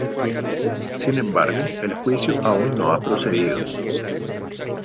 Sin embargo, el juicio aún no ha procedido.